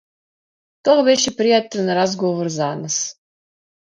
Тоа беше пријатен разговор за нас.